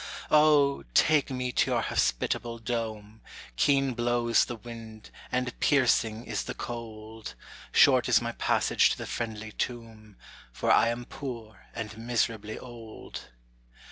O, take me to your hospitable dome, Keen blows the wind, and piercing is the cold! Short is my passage to the friendly tomb, For I am poor and miserably old.